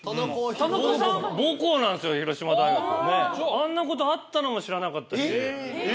あんなことあったのも知らなかったし。